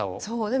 そう。